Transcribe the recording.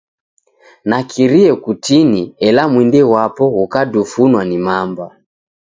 Nakirie kutini ela mwindi ghwapo ghukadafunwa ni mamba.